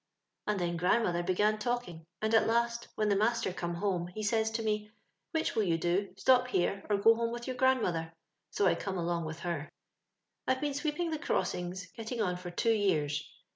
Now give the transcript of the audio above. ' And then grandmother began talking, and at last, when Uie master come home, he says to me —* Which will yon do, stop here, or go home with your grandmother?' So I come along with her. " I've been sweeping the crossings getting on for two years.